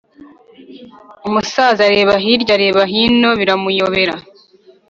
umusaza areba hirya areba hino biramuyobera